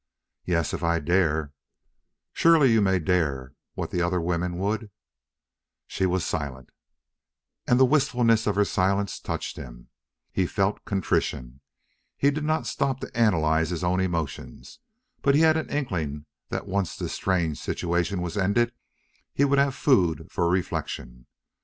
"Yes, if I dare." "Surely you may dare what the other women would?" She was silent. And the wistfulness of her silence touched him. He felt contrition. He did not stop to analyze his own emotions, but he had an inkling that once this strange situation was ended he would have food for reflection.